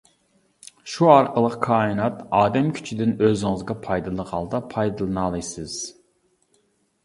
شۇ ئارقىلىق كائىنات ئادەت كۈچىدىن ئۆزىڭىزگە پايدىلىق ھالدا پايدىلىنالايسىز.